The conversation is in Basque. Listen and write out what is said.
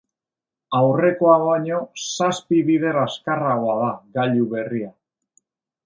Aurrekoa baino zazpi bider azkarragoa da gailu berria.